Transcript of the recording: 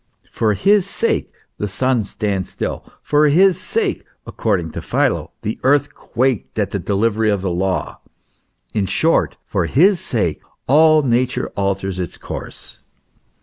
For his sake the sun stands still ; for his sake, according to Philo, the earth quaked at the delivery of the law ; in short, for his sake all nature alters its course.